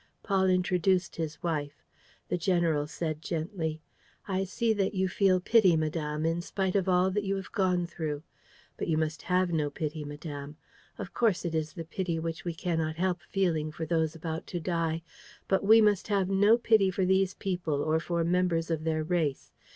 Paul introduced his wife. The general said, gently: "I see that you feel pity, madame, in spite of all that you have gone through. But you must have no pity, madame. Of course it is the pity which we cannot help feeling for those about to die. But we must have no pity for these people or for members of their race.